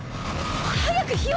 早く火を！